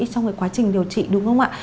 trong quá trình điều trị đúng không ạ